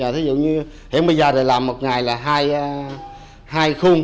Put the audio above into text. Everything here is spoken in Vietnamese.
thí dụ như hiện bây giờ làm một ngày là hai khuôn